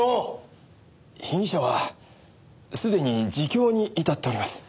被疑者はすでに自供に至っております。